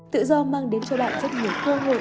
tự do mang đến cho bạn rất nhiều cơ hội